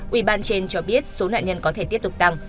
ủy ban trên cho biết số nạn nhân có thể tiếp tục tăng